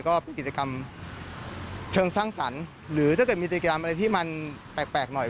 ก็เป็นกิจกรรมเชิงสร้างสรรค์หรือถ้าเกิดมีกิจกรรมอะไรที่มันแปลกหน่อย